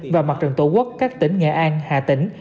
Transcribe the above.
và mặt trận tổ quốc các tỉnh nghệ an hà tĩnh